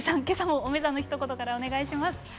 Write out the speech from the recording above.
今朝も「おめざ」のひと言からお願いします。